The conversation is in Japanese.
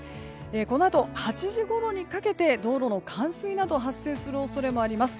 このあと８時ごろにかけて道路の冠水などが発生する恐れもあります。